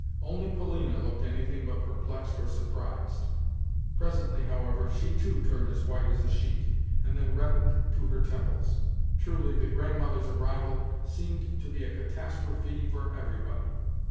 Only Polina looked anything but perplexed or surprised. Presently, however, she too turned as white as a sheet, and then reddened to her temples. Truly the Grandmother's arrival seemed to be a catastrophe for everybody!